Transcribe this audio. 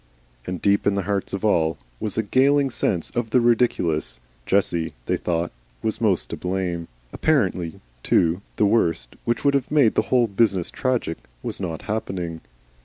And deep in the hearts of all was a galling sense of the ridiculous. Jessie, they thought, was most to blame. Apparently, too, the worst, which would have made the whole business tragic, was not happening.